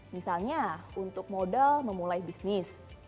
misalnya untuk modal memulai bisnis